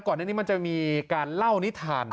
ในนี้มันจะมีการเล่านิทาน